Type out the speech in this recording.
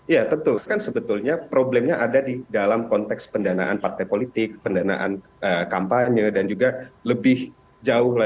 ya tentu kan sebetulnya problemnya ada di dalam konteks pendanaan partai politik pendanaan kampanye dan juga lebih jauh